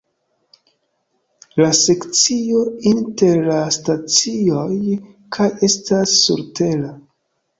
La sekcio inter la stacioj kaj estas surtera.